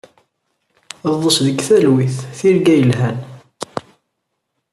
Ḍḍes deg talwit. Tirga yelhan.